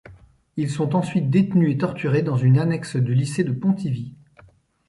Ils sont ensuite détenus et torturés dans une annexe du lycée de Pontivy.